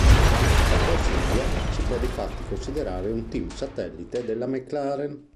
La Force India si può difatti considerare un team satellite della McLaren.